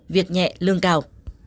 việc nhẹ lương cao